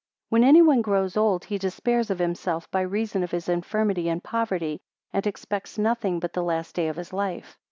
124 When any one grows old, he despairs of himself by reason of his infirmity and poverty, and expects nothing but the last day of his life.